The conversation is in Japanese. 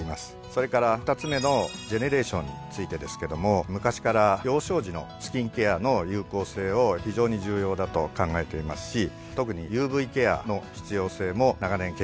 それから２つ目のジェネレーションについてですけども昔から幼少時のスキンケアの有効性を非常に重要だと考えていますし特にＵＶケアの必要性も長年研究しております。